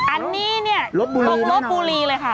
อันนี้เนี่ยตกลบบุรีเลยค่ะ